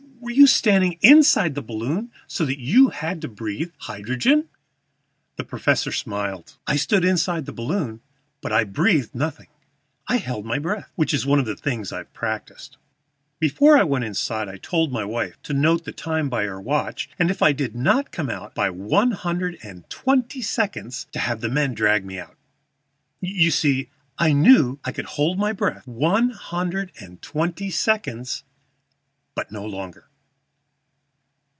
"Were you standing inside the balloon so that you had to breathe hydrogen?" The professor smiled. "I stood inside the balloon, but I breathed nothing; I held my breath, which is one of the things I have practised. Before I went inside I told my wife to note the time by her watch, and if I did not come out before one hundred and twenty seconds had passed to have the men drag me out. You see, I knew I could hold my breath one hundred and twenty seconds, but no longer.